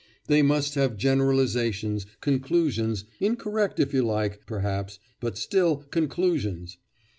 They must have generalisations, conclusions, incorrect if you like, perhaps, but still conclusions!